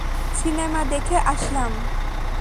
Cinema দেখে আসলাম।